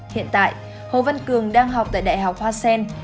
hiện tại hồ văn cường đang học tại đại học hoa sen